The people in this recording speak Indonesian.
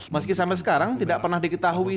meski sampai sekarang tidak pernah diketahui